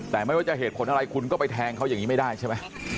แต่ไม่ว่าจะเหตุผลอะไรคุณก็ไปแทงเขาอย่างนี้ไม่ได้ใช่ไหม